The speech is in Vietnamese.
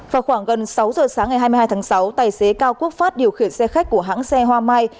vào khoảng gần sáu giờ sáng ngày hai mươi hai tháng sáu tài xế cao quốc phát điều khiển xe khách của hãng xe hoa mai